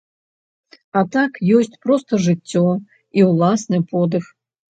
А так ёсць проста жыццё і ўласны подых.